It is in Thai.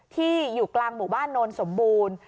ที่อยู่กลางหมู่บ้านโนนสมบูรณ์